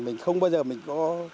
mình không bao giờ mình có